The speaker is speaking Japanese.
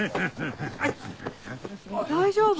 大丈夫？